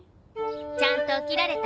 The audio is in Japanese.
ちゃんと起きられた？